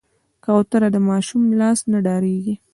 کوتره د ماشوم لاس نه ډارېږي.